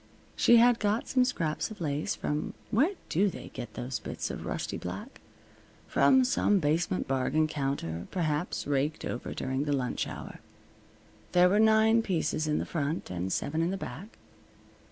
She had got some scraps of lace from Where do they get those bits of rusty black? From some basement bargain counter, perhaps, raked over during the lunch hour. There were nine pieces in the front, and seven in the back.